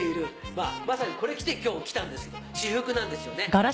まさにこれ着て今日も来たんですけど私服なんですよね。